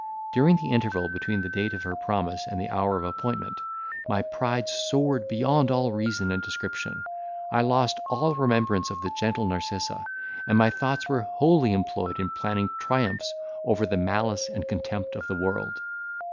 During the interval between the date of her promise and the hour of appointment, my pride soared beyond all reason and description; I lost all remembrance of the gentle Narcissa, and my thoughts were wholly employed in planning triumphs over the malice and contempt of the world.